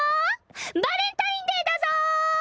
バレンタインデーだぞ！